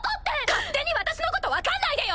勝手に私のこと分かんないでよ！